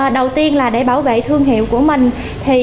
đầu tiên để bảo vệ thương hiệu của mình